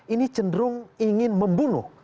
ini cenderung ingin membunuh